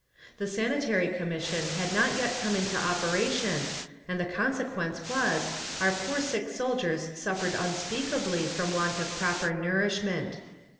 The Sanitary Commission had not yet come into operation and the consequence was our poor sick soldiers suffered unspeakably from want of proper nourishment.